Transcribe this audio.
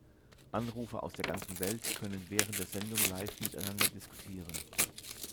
Anrufer aus der ganzen Welt können während der Sendung live miteinander diskutieren.